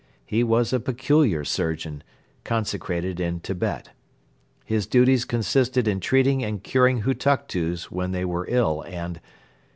He was a peculiar surgeon, consecrated in Tibet. His duties consisted in treating and curing Hutuktus when they were ill and